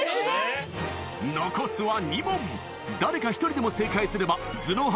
残すは２問誰か１人でも正解すれば頭脳派